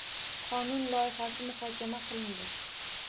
Qonun loyihasi muhokama qilindi